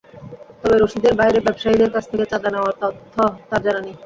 তবে রসিদের বাইরে ব্যবসায়ীদের কাছ থেকে চাঁদা নেওয়ার তথ্য তাঁর জানা নেই।